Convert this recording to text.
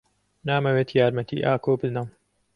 نامەوێت یارمەتیی ئاکۆ بدەم.